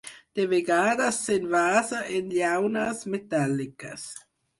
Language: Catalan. De vegades s'envasa en llaunes metàl·liques.